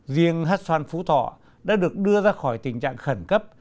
riêng hét xoan phú thọ đã được đưa ra khỏi tình trạng khẩn cấp